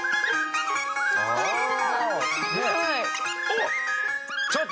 おっ！